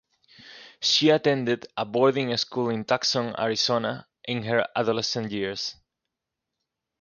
She attended a boarding school in Tucson, Arizona, in her adolescent years.